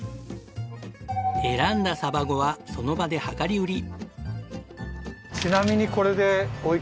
選んだサバゴはその場で量り売り。